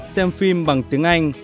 xem phim bằng tiếng anh